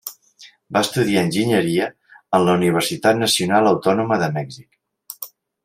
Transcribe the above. Va estudiar Enginyeria en la Universitat Nacional Autònoma de Mèxic.